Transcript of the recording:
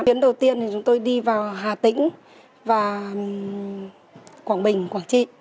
chuyến đầu tiên thì chúng tôi đi vào hà tĩnh và quảng bình quảng trị